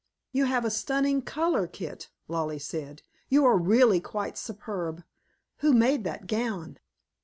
"You have a stunning color, Kit," Lollie said. "You are really quite superb. Who made that gown?"